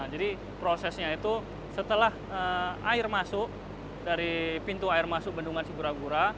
jadi prosesnya itu setelah air masuk dari pintu air masuk bendungan sigura gura